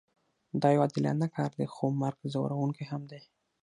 دا یو عادلانه کار دی خو مرګ ځورونکی هم دی